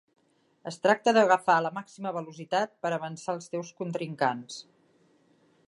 Es tracta d'agafar la màxima velocitat per avançar els teus contrincants.